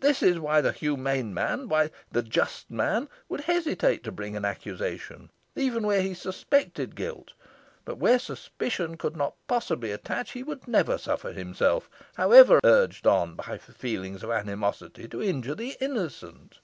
This is why the humane man why the just would hesitate to bring an accusation even where he suspected guilt but where suspicion could not possibly attach, he would never suffer himself, however urged on by feelings of animosity, to injure the innocent."